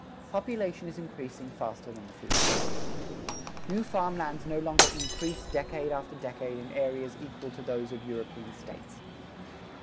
Population is increasing faster than the food supply. New farm lands no longer increase decade after decade in areas equal to those of European states.